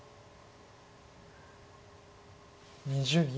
２０秒。